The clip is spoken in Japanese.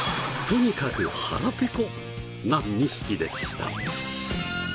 とにかく腹ペコな２匹でした。